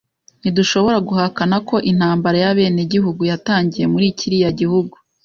Ntidushobora guhakana ko intambara y'abenegihugu yatangira muri kiriya gihugu.